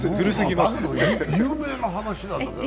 有名な話なんだけどな。